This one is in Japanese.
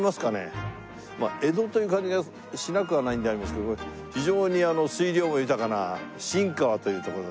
まあ江戸という感じがしなくはないんでありますけど非常に水量豊かな新川という所でございます。